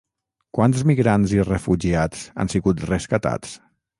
Quants migrants i refugiats han sigut rescatats?